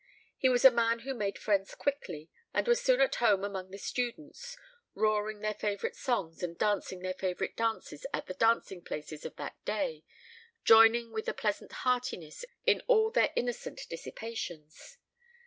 He was a man who made friends quickly, and was soon at home among the students, roaring their favourite songs, and dancing their favourite dances at the dancing places of that day, joining with a pleasant heartiness in all their innocent dissipations.